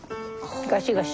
ガシガシ。